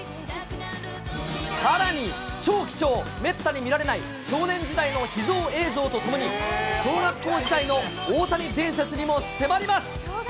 さらに、超貴重、めったに見られない少年時代の秘蔵映像とともに、小学校時代の大谷伝説にも迫ります。